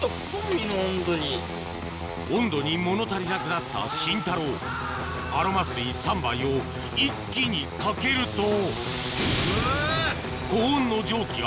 温度に物足りなくなったシンタローアロマ水３杯を一気にかけるとうわ！